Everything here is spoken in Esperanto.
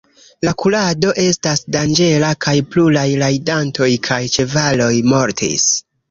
La kurado estas danĝera kaj pluraj rajdantoj kaj ĉevaloj mortis.